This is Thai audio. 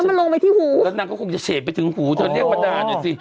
แล้วมันลงไปที่หูแล้วนางก็คงจะเฉดไปถึงหูเธอเรียกมานานอย่างนี้